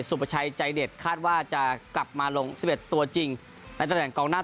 สุปชัยใจเด็ดคาดว่าจะกลับมาลงสิบเอ็ดตัวจริงในตั้งแต่งกองหน้า